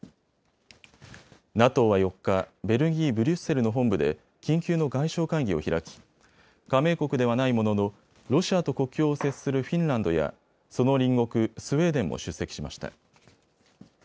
ＮＡＴＯは４日、ベルギー・ブリュッセルの本部で緊急の外相会議を開き加盟国ではないもののロシアと国境をするフィンランドやその隣国、スウェーデンも出席しました。